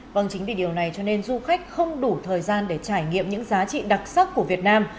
vâng chính vì điều này cho nên du khách không đủ thời gian để trải nghiệm những giá trị đặc sắc của việt nam